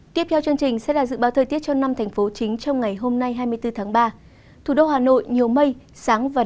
tiếp theo chương trình sẽ là dự báo thời tiết cho năm thành phố chính trong ngày hôm nay hai mươi bốn tháng ba